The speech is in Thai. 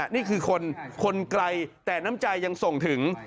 นี่คือคนคนไกลแต่น้ำใจยังส่งถึง